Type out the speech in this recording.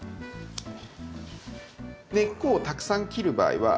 根っこをたくさん切る場合は葉っぱも。